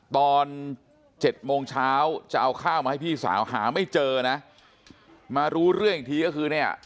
ตอน๗โมงเช้าจะเอาข้าวมาให้พี่สาวหาไม่เจอนะมารู้เรื่องอีกทีก็คือเนี่ย